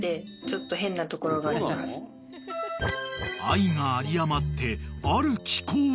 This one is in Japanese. ［愛が有り余ってある奇行を］